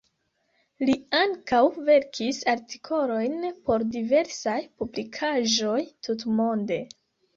Li ankaŭ verkis artikolojn por diversaj publikaĵoj tutmonde.